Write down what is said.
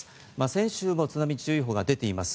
先週も津波注意報が出ています。